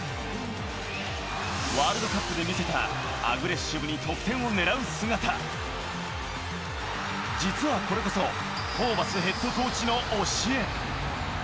ワールドカップで見せたアグレッシブに得点を狙う姿、実はこれこそ、ホーバスヘッドコーチの教え。